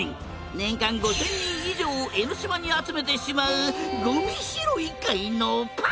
年間５０００人以上を江ノ島に集めてしまうごみ拾い界のパ！